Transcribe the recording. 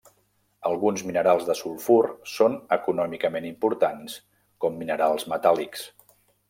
Alguns minerals de sulfur són econòmicament importants com minerals metàl·lics.